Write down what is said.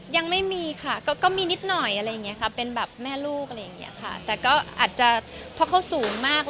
ยังไม่มีคักก็มีนิดหน่อยอะไรเนี่ยครับเป็นแบบแม่ลูกเลยเนี่ยค่ะแต่ก็อาจจะพอเค้าสูงมากแนว